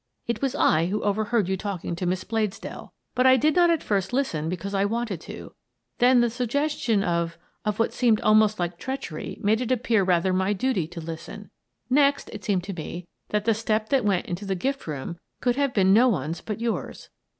It was I who over heard you talking to Miss Bladesdell — but I did not at first listen because I wanted to: then the suggestion of — of what seemed almost like treach ery made it appear rather my duty to listen. Next it seemed to me that the step that went into the gift room could have been no one's but yours.